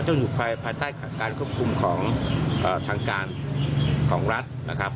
อยู่ภายใต้การควบคุมของทางการของรัฐนะครับ